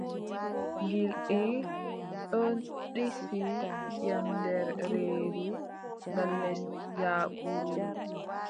Gilɗi ɗon ɗisi yam nder reedu gal les jaabuuru.